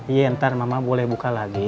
iya ntar mama boleh buka lagi